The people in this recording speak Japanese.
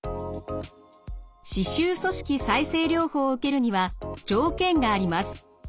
歯周組織再生療法を受けるには条件があります。